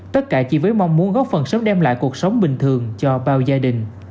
tất cả chỉ với mong muốn góp phần sớm đem lại cuộc sống bình thường cho bao gia đình